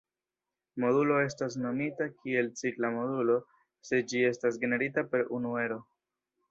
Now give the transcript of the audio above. Modulo estas nomita kiel cikla modulo se ĝi estas generita per unu ero.